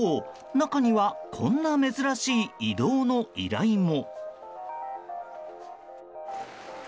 中には、こんな珍しい移動の依頼も。